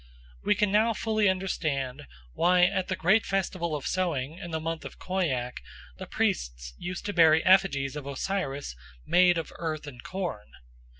We can now fully understand why at the great festival of sowing in the month of Khoiak the priests used to bury effigies of Osiris made of earth and corn.